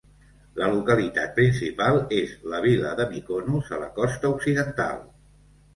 La localitat principal és la vila de Míkonos, a la costa occidental.